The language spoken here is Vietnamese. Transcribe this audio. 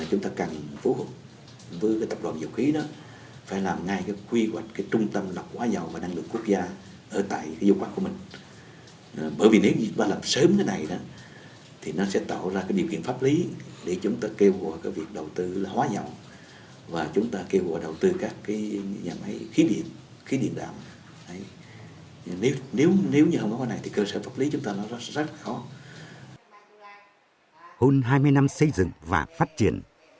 hơn hai mươi năm xây dựng và phát triển